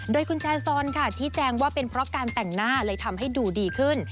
โดยคุณแจซอนค่ะชี้แจงว่าเป็นเพราะการแต่งหน้าเลยทำให้ดูดีขึ้น